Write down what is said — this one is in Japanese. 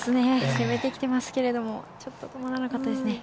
攻めてきてますけどもちょっと止まらなかったですね。